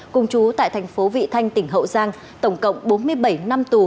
cùng chú tại thành phố vị thanh tỉnh hậu giang tổng cộng bốn mươi bảy năm tù